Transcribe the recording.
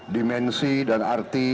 dimensi dan arti